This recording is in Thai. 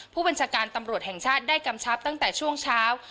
ผู้บัญชาการตำรวจแห่งชาติได้กำชับตั้งแต่ช่วงเช้า